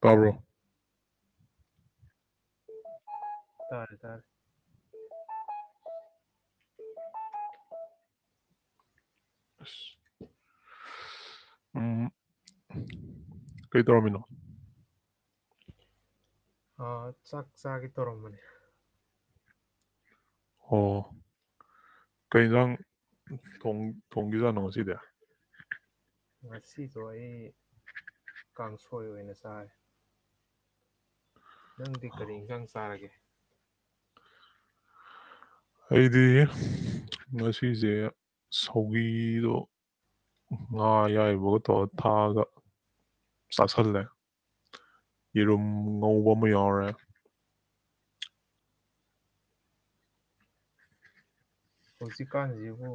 ꯇꯥꯕ꯭ꯔꯣ ꯇꯥꯔꯦ ꯇꯥꯔꯦ꯫ [inaudible] ꯎꯝ ꯀꯔꯤ ꯇꯧꯔꯃꯤꯅꯣ ꯑꯥ ꯆꯥꯛ ꯆꯥꯒꯦ ꯇꯧꯔꯝꯕꯅꯦ꯫ ꯑꯣ ꯀꯩ ꯌꯦꯟꯖꯥꯡ ꯊꯣꯡ ꯊꯣꯡꯒꯤꯖꯥꯠꯅꯣ ꯉꯁꯤꯗꯤ꯫ ꯉꯁꯤꯗꯣ ꯑꯩ ꯀꯥꯡꯁꯣꯏ ꯑꯣꯏꯅ ꯆꯥꯔꯦ ꯅꯪꯗꯤ ꯀꯔꯤ ꯏꯟꯖꯥꯡ ꯆꯥꯔꯒꯦ꯫ ꯑꯩꯗꯤ ꯉꯁꯤꯁꯦ ꯁꯧꯒꯤꯗꯣ ꯉꯥ ꯑꯌꯥꯏꯕꯒ ꯇꯧꯔ ꯊꯥꯛꯑꯒ ꯆꯥꯥꯁꯜꯂꯦ ꯌꯦꯔꯨꯝ ꯉꯧꯕ ꯑꯃ ꯌꯥꯎꯔꯦ꯫ ꯍꯧꯖꯤꯛꯀꯥꯟꯖꯤꯕꯨ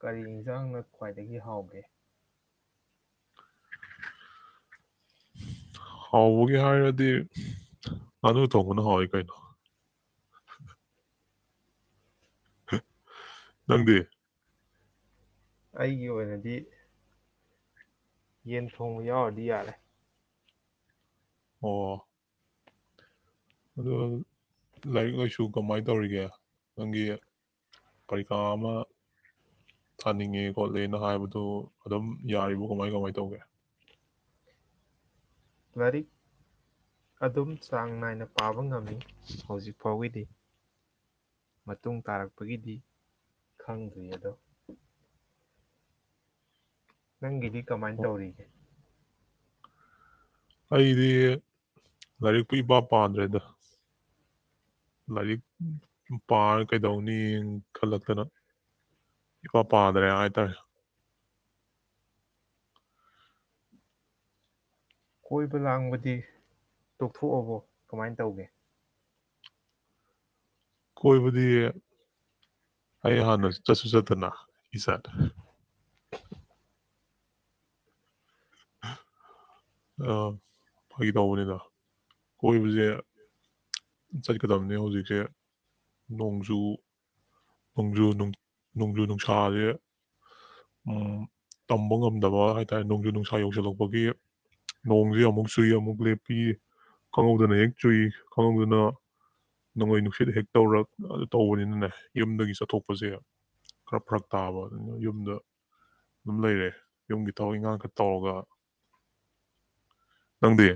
ꯀꯔꯤ ꯌꯦꯟꯖꯥꯡꯅ ꯈ꯭ꯋꯥꯏꯗꯒꯤ ꯍꯥꯎꯒꯦ꯫ ꯍꯥꯎꯕꯒꯤ ꯍꯥꯏꯔꯗꯤ ꯉꯥꯅꯨ ꯊꯣꯡꯕꯅ ꯍꯥꯎꯋꯦ ꯀꯩꯅꯣ꯫ ꯅꯡꯗꯤ꯫ ꯑꯩꯒꯤ ꯑꯣꯏꯅꯗꯤ ꯌꯦꯟ ꯊꯣꯡꯕ ꯌꯥꯎꯔꯗꯤ ꯌꯥꯔꯦ꯫ ꯑꯣ꯫ ꯑꯗꯣ ꯑꯗꯣ ꯂꯥꯏꯔꯤꯛ ꯂꯥꯏꯁꯨ ꯀꯃꯥꯏꯅ ꯇꯧꯔꯤꯒꯦ ꯅꯪꯒꯤ ꯄꯔꯤꯈꯥ ꯑꯃ ꯊꯥꯅꯤꯡꯉꯦ ꯈꯣꯠꯂꯦꯅ ꯍꯥꯏꯕꯗꯨ ꯑꯗꯨꯝ ꯌꯥꯔꯤꯕꯣ ꯀꯃꯥꯏ ꯀꯃꯥꯏ ꯇꯧꯒꯦ꯫ ꯂꯥꯏꯔꯤꯛ ꯑꯗꯨꯝ ꯆꯥꯡ ꯅꯥꯏꯅ ꯄꯥꯕ ꯉꯝꯃꯤ ꯍꯧꯖꯤꯛ ꯐꯥꯎꯒꯤꯗꯤ ꯃꯇꯨꯡ ꯇꯥꯔꯛꯄꯒꯤꯗꯤ ꯈꯪꯗ꯭ꯔꯤ ꯑꯗꯣ꯫ ꯅꯪꯒꯤꯗꯤ꯫ ꯀꯃꯥꯏꯅ ꯇꯧꯔꯤꯒꯦ꯫ ꯑꯩꯗꯤ ꯂꯥꯏꯔꯤꯛꯄꯨ ꯏꯄꯥ ꯄꯥꯗ꯭ꯔꯦꯗ ꯂꯥꯏꯔꯤꯛ ꯄꯥꯔ ꯀꯩꯗꯧꯅꯤ ꯈꯜꯂꯛꯇꯅ ꯏꯄꯥ ꯄꯥꯗ꯭ꯔꯦ ꯍꯥꯏꯇꯥꯔꯦ꯫ ꯀꯣꯏꯕ ꯂꯥꯡꯕꯗꯤ ꯇꯣꯛꯊꯣꯛꯑꯕꯣ ꯀꯃꯥꯏꯅ ꯇꯧꯒꯦ꯫ ꯀꯣꯏꯕꯗꯤ ꯑꯩ ꯍꯥꯟꯅ ꯆꯠꯁꯨ ꯆꯠꯇꯅ ꯏꯁ꯫ [unintelligible] [inaudible] ꯑꯥ ꯐꯥꯒꯤ ꯇꯧꯕꯅꯤꯗ ꯀꯣꯏꯕꯁꯦ꯫ ꯆꯠꯀꯗꯕꯅꯦ ꯍꯧꯖꯤꯛꯁꯦ ꯅꯣꯡꯖꯨ ꯅꯣꯡꯖꯨ ꯅꯣꯡꯖꯨ ꯅꯨꯡꯁꯥꯖꯦ ꯎꯝ ꯇꯝꯕ ꯉꯝꯗꯕ ꯍꯥꯏ ꯇꯔꯦ ꯅꯣꯡꯖꯨ ꯅꯨꯡꯁꯥ ꯌꯧꯁꯤꯜꯂꯛꯄꯒꯤ ꯅꯣꯡꯁꯦ ꯑꯃꯨꯛ ꯆꯨꯏ ꯑꯃꯨꯛ ꯂꯦꯞꯄꯤ ꯈꯪꯍꯧꯗꯅ ꯍꯦꯛ ꯆꯨꯏ꯫ ꯑꯗꯨꯗꯨꯅ꯫ ꯅꯣꯡꯂꯩ ꯅꯨꯡꯁꯤꯠ ꯍꯦꯛ ꯇꯧꯔ ꯑꯗꯨ ꯇꯧꯕꯅꯤꯅꯅꯦ ꯌꯨꯝꯗꯒꯤ ꯆꯠꯊꯣꯛꯄꯁꯦ ꯈꯔ ꯐꯔꯛ ꯇꯥꯕ ꯑꯗꯨꯅ ꯌꯨꯝꯗ ꯑꯗꯨꯝ ꯂꯩꯔꯦ ꯌꯨꯝꯒꯤ ꯊꯕꯛ ꯏꯟꯈꯥꯡ ꯈ ꯇꯧꯔꯒ ꯅꯪꯗꯤ꯫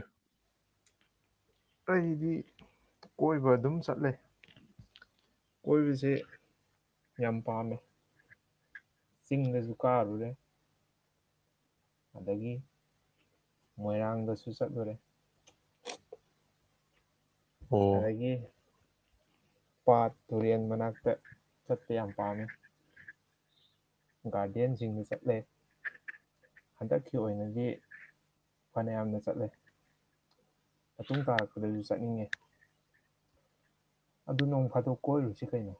ꯑꯩꯒꯤꯗꯤ ꯀꯣꯏꯕ ꯑꯗꯨꯝ ꯆꯠꯂꯦ ꯀꯣꯏꯕꯁꯦ ꯌꯥꯝ ꯄꯥꯝꯃꯦ꯫ ꯆꯤꯡꯗꯁꯨ ꯀꯥꯔꯨꯕ ꯌꯥꯏ ꯑꯗꯒꯤ ꯃꯣꯏꯔꯥꯡꯗꯁꯨ ꯆꯠꯂꯨꯔꯦ ꯑꯣ ꯑꯗꯨꯗꯒꯤ ꯄꯥꯠ ꯇꯨꯔꯦꯟ ꯃꯅꯥꯛꯇ ꯆꯠꯄ ꯌꯥꯝ ꯄꯥꯝꯃꯤ ꯒꯥꯔꯗꯦꯟꯁꯤꯡꯗ ꯆꯠꯂꯦ ꯍꯟꯗꯛꯀꯤ ꯑꯣꯏꯅꯗꯤ ꯐꯅꯌꯥꯝꯅ ꯆꯠꯂꯦ ꯃꯇꯨꯡ ꯇꯥꯔꯛꯄꯗꯁꯨ ꯆꯠꯅꯤꯡꯉꯦ ꯑꯗꯨ ꯅꯣꯡ ꯐꯥꯗꯣꯛ ꯀꯣꯏ ꯑꯣꯏꯔꯨꯁꯤ ꯀꯩꯅꯣ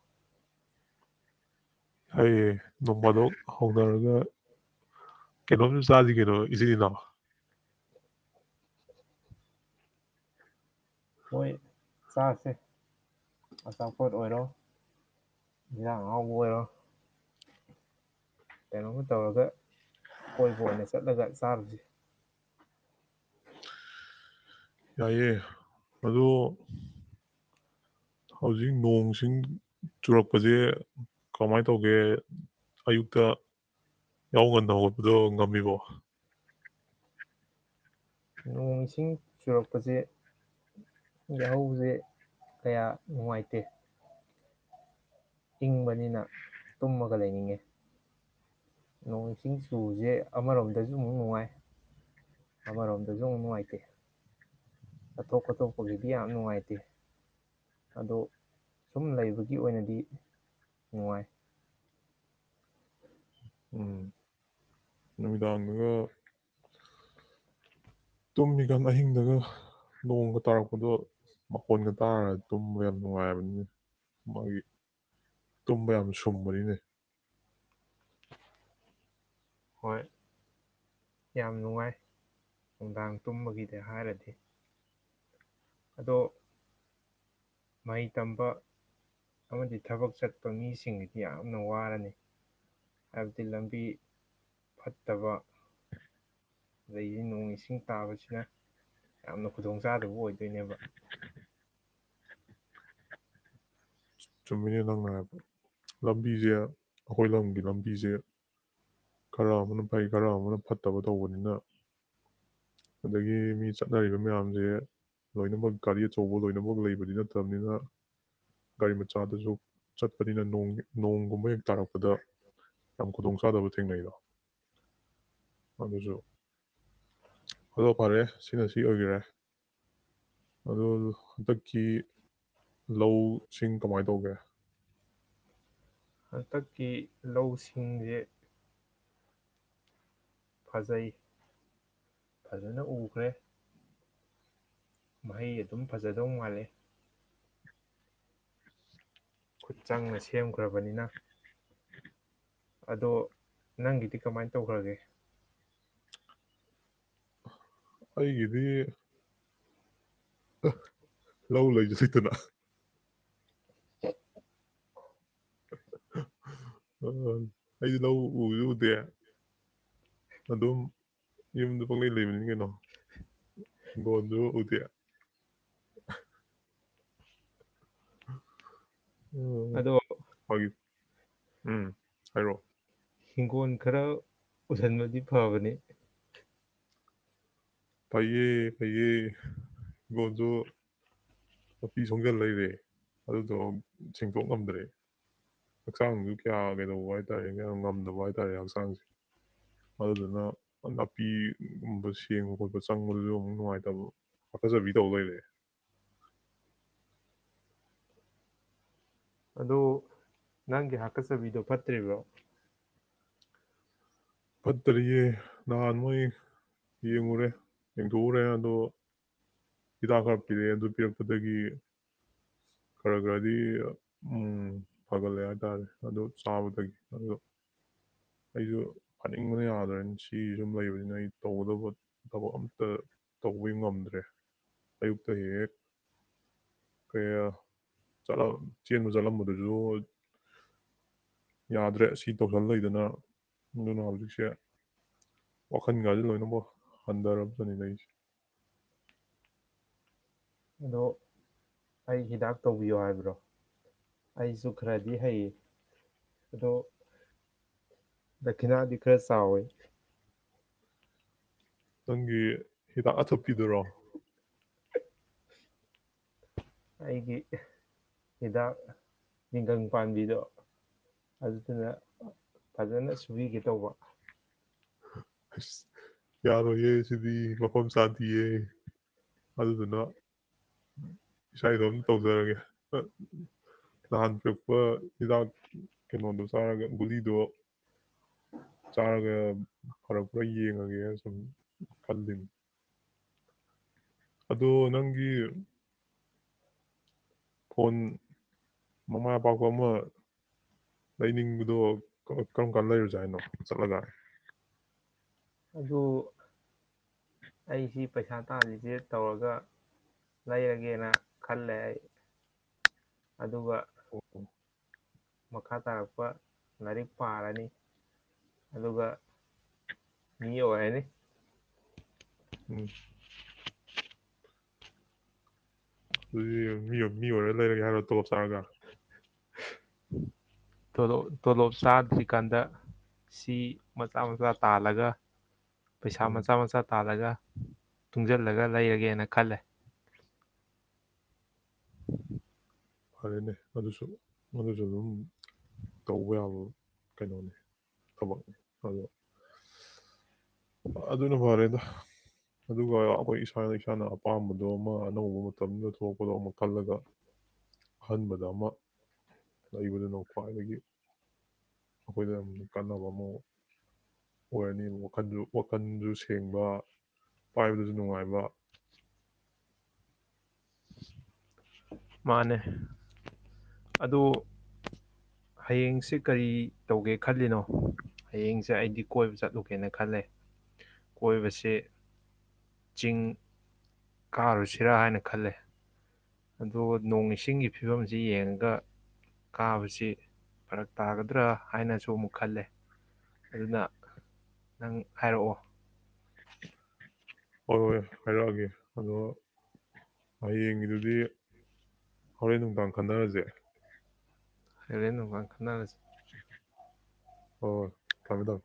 ꯍꯌꯦ ꯅꯣꯡꯐꯥꯗꯣꯛ ꯍꯧꯅꯔꯒ ꯀꯩꯅꯣꯝꯁꯨ ꯆꯥꯁꯤ ꯀꯩꯅꯣ ꯏꯖꯤꯅ ꯍꯣꯏ ꯆꯥꯁꯦ ꯑꯆꯥꯄꯣꯠ ꯑꯣꯏꯔꯣ ꯌꯦꯟꯖꯥꯡ ꯑꯍꯥ ꯎꯕ ꯑꯣꯏꯔꯣ ꯀꯩꯅꯣꯝꯃ ꯇꯧꯔꯒ ꯀꯣꯏꯕ ꯑꯣꯏꯅ ꯆꯠꯂꯒ ꯆꯥꯔꯁꯦ ꯌꯥꯏꯑꯦ ꯑꯗꯨ ꯍꯧꯖꯤꯛ ꯅꯣꯡꯁꯤꯡ ꯆꯨꯔꯛꯄꯁꯦ ꯀꯃꯥꯏꯅ ꯇꯧꯒꯦ ꯑꯌꯨꯛꯇ ꯌꯥꯍꯧ ꯉꯟꯅ ꯍꯧꯒꯠꯄꯗꯣ ꯉꯝꯃꯤꯕꯣ ꯅꯣꯡ ꯏꯁꯤꯡ ꯆꯨꯔꯛꯄꯁꯦ ꯌꯥꯍꯧꯁꯦ ꯀꯌꯥ ꯅꯨꯡꯉꯥꯏꯇꯦ ꯏꯪꯕꯅꯤꯅ ꯇꯨꯝꯃꯒ ꯂꯩꯅꯤꯡꯉꯦ ꯅꯣꯡ ꯏꯁꯤꯡ ꯆꯨꯕꯁꯦ ꯑꯃꯔꯣꯝꯗꯁꯨ ꯑꯃꯨꯛ ꯅꯨꯡꯉꯥꯏ ꯑꯃꯔꯣꯝꯗꯁꯨ ꯑꯃꯨꯛ ꯅꯨꯡꯉꯥꯏꯇꯦ ꯆꯠꯊꯣꯛ ꯈꯣꯠꯇꯣꯛꯄꯒꯤꯗꯤ ꯌꯥꯝ ꯅꯨꯡꯉꯥꯏꯇꯦ ꯑꯗꯣ ꯁꯨꯝ ꯂꯩꯕꯒꯤ ꯑꯣꯏꯅꯗꯤ ꯅꯨꯡꯉꯥꯏ ꯎꯝ ꯅꯨꯃꯤꯗꯥꯡꯗꯨꯒ ꯇꯨꯝꯃꯤꯀꯥꯟ ꯑꯍꯤꯡꯗꯒ ꯅꯣꯡꯒ ꯇꯥꯔꯛꯄꯗꯣ ꯃꯈꯣꯟꯒ ꯇꯥꯔꯒ ꯇꯨꯝꯕ ꯌꯥꯝ ꯅꯨꯡꯉꯥꯏꯕꯅꯤꯅ ꯃꯥꯒꯤ ꯇꯨꯝꯕ ꯌꯥꯝ ꯁꯨꯝꯕꯅꯤꯅꯦ ꯍꯣꯏ ꯌꯥꯝ ꯅꯨꯡꯉꯥꯏ ꯅꯨꯡꯗꯥꯡ ꯇꯨꯝꯕꯒꯤꯗ ꯍꯥꯏꯔꯗꯤ ꯑꯗꯣ ꯃꯍꯩ ꯇꯝꯕ ꯑꯃꯗꯤ ꯊꯕꯛ ꯆꯠꯄ ꯃꯤꯁꯤꯡꯗꯤ ꯌꯥꯝꯅ ꯋꯥꯔꯅꯤ ꯍꯥꯏꯕꯗꯤ ꯂꯝꯕꯤ ꯐꯠꯇꯕ ꯑꯗꯒꯤꯗꯤ ꯅꯣꯡ ꯏꯁꯤꯡ ꯇꯥꯕꯁꯤꯅ ꯌꯥꯝꯅ ꯈꯨꯗꯣꯡ ꯆꯥꯗꯕ ꯑꯣꯏꯗꯣꯏꯅꯦꯕ ꯆꯨꯝꯃꯤꯅꯦ ꯅꯪꯅ ꯍꯥꯏꯕꯗꯣ ꯅꯪꯉꯥꯏꯕ ꯂꯝꯕꯤꯁꯦ ꯑꯩꯈꯣꯏ ꯂꯝꯒꯤ ꯂꯝꯕꯤꯁꯦ ꯈꯔ ꯑꯃꯅ ꯐꯩ ꯈꯔ ꯑꯃꯅ ꯐꯠꯇꯕ ꯇꯧꯕꯅꯤꯅ ꯑꯗꯒꯤ ꯃꯤ ꯆꯠꯅꯔꯤꯕ ꯃꯌꯥꯝꯁꯦ ꯂꯣꯏꯅꯃꯛ ꯒꯥꯔꯤ ꯑꯆꯧꯕ ꯂꯣꯏꯅꯃꯛ ꯂꯩꯕꯗꯤ ꯅꯠꯇꯕꯅꯤꯅ ꯒꯥꯔꯤ ꯃꯆꯥꯗꯨꯁꯨ ꯆꯠꯄꯅꯤꯅꯣꯡ ꯅꯣꯡꯒꯨꯝꯕ ꯍꯦꯛ ꯇꯥꯔꯛꯄꯗ ꯌꯥꯝ ꯈꯨꯗꯣꯡꯆꯥꯗꯕ ꯊꯦꯡꯅꯩꯗꯣ ꯑꯗꯨꯁꯨ ꯑꯗꯣ ꯐꯔꯦ ꯁꯤꯅ ꯁꯤ ꯑꯣꯏꯈꯔꯦ ꯑꯣ ꯍꯟꯗꯛꯀꯤ ꯂꯧ ꯁꯤꯡ ꯀꯃꯥꯏꯅ ꯇꯧꯒꯦ ꯍꯟꯇꯛꯀꯤ ꯂꯧꯁꯤꯡꯁꯦ ꯐꯖꯩ ꯐꯖꯅ ꯎꯈ꯭ꯔꯦ ꯃꯍꯩ ꯑꯗꯨꯝ ꯐꯖꯗꯧ ꯃꯥꯜꯂꯤꯦ ꯈꯨꯠ ꯆꯪꯅ ꯁꯦꯝꯈ꯭ꯔꯕꯅꯤꯅ꯫ ꯑꯗꯣ ꯅꯪꯒꯤꯗꯤ ꯀꯃꯥꯏꯅ ꯇꯧꯈ꯭ꯔꯒꯦ꯫ ꯑꯩꯒꯤꯗꯤ꯫ ꯑ ꯂꯧ ꯂꯩꯁꯨ ꯂꯩꯇꯅ꯫ ꯑ ꯑꯩꯗꯤ ꯂꯧ ꯎꯖꯨ ꯎꯗꯦ ꯑꯗꯨꯝ ꯌꯨꯝꯗꯨ ꯄꯪꯂꯩ ꯂꯩꯕꯅꯤ ꯀꯩꯅꯣ ꯍꯤꯡꯒꯣꯟꯖꯨ ꯎꯗꯦ ꯍꯍ ꯍꯍ ꯑꯗꯣ [unintelligible] ꯎꯝ ꯍꯥꯏꯔꯛꯑꯣ ꯍꯤꯡꯒꯣꯜ ꯈꯔ ꯎꯁꯟꯕꯗꯤ ꯐꯕꯅꯤ꯫ ꯐꯩꯌꯦ ꯐꯩꯌꯦ ꯍꯤꯒꯣꯟꯖꯨ꯫ ꯅꯥꯄꯤ ꯁꯣꯡꯖꯟ ꯂꯩꯔꯦ ꯑꯗꯨꯗꯣ ꯁꯦꯡꯇꯣꯛ ꯉꯝꯗ꯭ꯔꯦ ꯍꯛꯆꯥꯡꯁꯨ ꯀꯌꯥ ꯀꯩꯗꯧꯕ ꯍꯥꯏ ꯇꯔꯦ ꯀꯌꯥ ꯉꯝꯗꯕ ꯍꯥꯏ ꯇꯥꯔꯦ ꯍꯛꯆꯥꯡꯁꯦ ꯑꯗꯨꯗꯨꯅ ꯅꯥꯄꯤꯒꯨꯝꯕ ꯁꯦꯡꯕ ꯈꯣꯠꯄ ꯆꯪꯕꯗꯨꯁꯨ ꯑꯃꯨꯛ ꯅꯨꯡꯉꯥꯏꯇꯕ ꯍꯥꯀꯠꯆꯕꯤ ꯇꯧ ꯂꯩꯔꯦ꯫ ꯑꯗꯣ ꯅꯪꯒꯤ ꯍꯥꯀꯠꯆꯕꯤꯗꯣ ꯐꯠꯇ꯭ꯔꯤꯕꯣ? ꯐꯠꯇꯔꯤꯌꯦ ꯅꯍꯥꯟ ꯃꯣꯏ ꯌꯦꯡꯉꯨꯔꯦ ꯌꯦꯡꯊꯣꯛꯎꯔꯦ ꯑꯗꯣ ꯍꯤꯗꯥꯛ ꯈꯔ ꯄꯤꯔꯛꯑꯦ ꯑꯗꯨ ꯄꯤꯔꯛꯄꯗꯒꯤ ꯈꯔ ꯈꯔꯗꯤ ꯎꯝꯝ ꯐꯒꯠꯂꯦ ꯍꯥꯏꯇꯥꯔꯦ ꯑꯗꯨ ꯆꯥꯕꯗꯒꯤ ꯑꯗꯣ꯫ ꯑꯩꯖꯨ ꯐꯅꯤꯡꯕꯅ ꯌꯥꯗ꯭ꯔꯦ ꯁꯤ ꯁꯨꯝ ꯂꯩꯕꯅꯤꯅ ꯑꯩ ꯇꯧꯒꯗꯕ ꯊꯕꯛ ꯑꯝꯇ ꯇꯧꯕꯤ ꯉꯝꯗ꯭ꯔꯦ ꯑꯌꯨꯛꯇ ꯍꯦꯛ ꯀꯌꯥ ꯆꯠꯂꯝ ꯆꯦꯟꯕ ꯆꯠꯂꯝꯕꯗꯨꯁꯨ ꯌꯥꯗ꯭ꯔꯦ ꯁꯤ ꯇꯧꯁꯜ ꯂꯩꯗꯅ꯫ ꯑꯗꯨꯅ ꯍꯧꯖꯤꯛꯁꯦ ꯋꯥꯈꯜꯒꯁꯦ ꯂꯣꯏꯅꯃꯛ ꯍꯟꯗꯔꯕꯅꯤꯗ ꯑꯩꯖꯦ꯫ ꯑꯗꯣ ꯑꯩ ꯍꯤꯗꯥꯛ ꯇꯧꯕꯤꯌꯣ ꯍꯥꯏꯕ꯭ꯔꯣ ꯑꯩꯁꯨ ꯈꯔꯗꯤ ꯍꯩꯌꯦ ꯗꯣ ꯗꯈꯤꯅꯥꯗꯤ ꯈꯔ ꯆꯥꯎꯋꯦ꯫ ꯅꯪꯒꯤ ꯍꯤꯗꯥꯛ ꯑꯊꯨꯞꯄꯤꯗꯨꯔꯣ꯫ ꯑꯩꯒꯤ ꯑꯦ ꯍꯤꯗꯥꯛ ꯑꯑ ꯇꯤꯡꯒꯪ ꯄꯥꯟꯕꯤꯗꯣ ꯑꯗꯨ ꯑꯗꯨꯅ ꯐꯖꯅ ꯁꯨꯕꯤꯒꯦ ꯇꯧꯕ꯫ ꯑꯁ ꯍꯍ ꯌꯥꯔꯣꯏꯌꯦ ꯁꯤꯗꯤ ꯃꯞ꯫ ꯈꯣꯝ ꯆꯥꯛꯇꯤꯌꯦ ꯑꯗꯨꯗꯨꯅ ꯏꯁꯥꯏꯗꯣꯝ ꯇꯧꯖꯔꯒꯦ ꯑꯝ ꯅꯍꯥꯟ ꯄꯤꯔꯛꯄ ꯍꯤꯗꯥꯛ ꯀꯩꯅꯣꯗꯣ ꯆꯥꯔꯒ ꯒꯨꯂꯤꯗꯣ ꯆꯥꯔꯒ ꯐꯔꯛꯄ꯭ꯔꯥ ꯌꯦꯡꯉꯒꯦꯅ ꯁꯨꯝ ꯈꯜꯂꯤꯅꯤ ꯑꯗꯣ ꯅꯪꯒꯤ ꯐꯣꯟ ꯃꯃꯥꯏ ꯑꯄꯥꯥꯛꯄ ꯑꯃ ꯂꯩꯅꯤꯡꯕꯗꯣ ꯀꯔ ꯀꯔꯝ ꯀꯥꯟ ꯂꯩꯔꯨꯖꯦ ꯍꯥꯏꯅꯣ ꯆꯠꯂꯒ ꯑꯗꯨ ꯑꯩꯁꯤ ꯄꯩꯁꯥ ꯇꯥꯜꯂꯤꯁꯦ ꯇꯧꯔꯒ ꯂꯩꯔꯒꯦꯅ ꯈꯜꯂꯦ ꯑꯩ ꯑꯗꯨꯒ [unintelligible] ꯃꯈꯥ ꯇꯥꯔꯛꯄ ꯂꯥꯏꯔꯤꯛ ꯄꯥꯔꯅꯤ ꯑꯗꯨꯒ ꯃꯤ ꯑꯣꯏꯔꯅꯤ ꯎꯝ- ꯑꯗꯨꯗꯤ ꯌꯦꯡ ꯃꯤ ꯑꯣꯏ ꯃꯤ ꯑꯣꯏꯔꯒ ꯂꯩꯔꯒꯦ ꯍꯥꯏꯔꯣ ꯇꯣꯂꯣꯞ ꯆꯥꯔꯒ ꯇꯣꯂꯣꯞ ꯇꯣꯂꯣꯞ ꯆꯥꯗ꯭ꯔꯤꯀꯥꯟꯗ ꯁꯤ ꯃꯆꯥ ꯃꯆꯥ ꯇꯥꯜꯂꯒ ꯄꯩꯁꯥ ꯎꯝ ꯃꯆꯥ ꯃꯆꯥ ꯇꯥꯜꯂꯒ- ꯇꯨꯡꯖꯜꯂꯒ ꯂꯩꯔꯒꯦꯅ ꯈꯜꯂꯦ ꯐꯔꯦꯅꯦ ꯑꯗꯨꯁꯨ ꯃꯗꯨꯁꯨ ꯑꯗꯨꯝ ꯇꯧꯕ ꯌꯥꯕ ꯀꯩꯅꯣꯅꯤ ꯊꯕꯛꯅꯤ ꯑꯗꯣ ꯑꯗꯨꯅ ꯐꯔꯦꯗ ꯑꯗꯨꯒ ꯑꯈꯣꯏ ꯏꯁꯥꯅ ꯏꯁꯥꯅ ꯑꯄꯥꯝꯕꯗꯣ ꯑꯃ ꯑꯅꯧꯕ ꯃꯇꯝꯗ ꯊꯣꯛꯂꯛꯄꯗꯣ ꯑꯃ ꯈꯜꯂꯒ ꯑꯍꯟꯕꯗ ꯑꯃ ꯂꯩꯕꯗꯨꯅ ꯈ꯭ꯋꯥꯏꯗꯒꯤ ꯑꯈꯣꯏꯗ ꯌꯥꯝ ꯀꯥꯟꯅꯕ ꯑꯃ ꯑꯣꯏꯔꯅꯤꯕ ꯋꯥꯈꯟꯗꯨ ꯋꯥꯈꯟꯖꯨ ꯁꯦꯡꯕ ꯄꯥꯏꯕꯗꯁꯨ ꯅꯨꯡꯉꯥꯏꯕ ꯃꯥꯅꯦ ꯑꯗꯣ ꯍꯌꯦꯡꯁꯦ ꯀꯔꯤ ꯇꯧꯒꯦ ꯈꯜꯂꯤꯅꯣ ꯍꯌꯦꯡꯁꯦ ꯑꯩꯗꯤ ꯀꯣꯏꯕ ꯆꯠꯂꯨꯒꯦꯅ ꯈꯜꯂꯦ ꯀꯣꯏꯕꯁꯦ ꯆꯤꯡ ꯀꯥꯔꯨꯁꯤꯔꯥ ꯍꯥꯏꯅ ꯈꯜꯂꯦ ꯑꯗꯣ ꯅꯣꯡ ꯏꯁꯤꯡꯒꯤ ꯐꯤꯕꯝꯁꯤ ꯌꯦꯡꯉꯒ ꯀꯥꯕꯁꯤ ꯐꯔꯛ ꯇꯥꯒꯗ꯭ꯔꯥ ꯍꯥꯏꯅꯁꯨ ꯑꯃꯨꯛ ꯈꯜꯂꯦ ꯑꯗꯨꯅ ꯅꯪ ꯍꯥꯏꯔꯛꯑꯣ ꯍꯣꯏ ꯍꯣꯏ ꯍꯥꯏꯔꯛꯑꯒꯦ ꯑꯗꯣ ꯍꯌꯦꯡꯒꯤꯗꯨꯗꯤ ꯍꯣꯔꯦꯟ ꯅꯨꯡꯗꯥꯡ ꯈꯟꯅꯔꯖꯦ ꯍꯥꯏꯔꯦꯟ ꯅꯨꯡꯗꯥꯡ ꯈꯟꯅꯔꯖꯤ ꯍꯣ ꯍꯣ ꯊꯝꯃꯣ ꯊꯝꯃꯣ